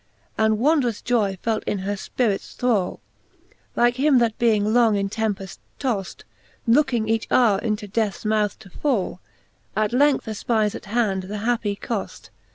And wondrous joy felt in her fpirits thrall : Like him that being long in tempeft toft. Looking each houre into deathes mouth to fall, At length efpyes at hand the happie coft.